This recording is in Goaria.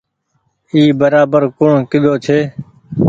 اي برابر ڪوڻ ڪيۮو ڇي۔